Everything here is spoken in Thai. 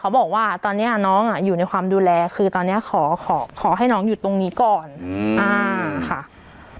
บอกว่าตอนนี้น้องอ่ะอยู่ในความดูแลคือตอนนี้ขอขอขอให้น้องอยู่ตรงนี้ก่อนค่ะ